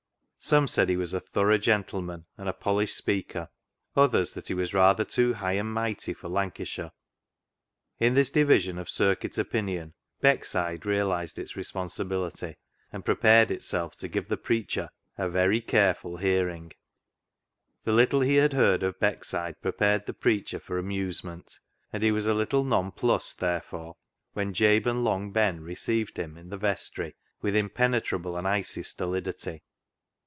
Some said he was a thorough gentleman and a polished speaker, others that he was rather too high and mighty for Lancashire. In this division of circuit opinion Beckside realised its responsibility, and prepared itself to give the preacher a very careful hearing. 275 276 CLOG SHOP CHRONICLES The little he had heard of Beckside prepared the preacher for amusement, and he was a little nonplussed therefore when Jabe and Long Ben received him in the vestry with impenetrable and icy stolidity.